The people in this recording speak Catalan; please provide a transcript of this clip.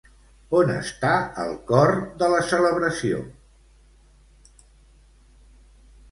On està el cor de la celebració?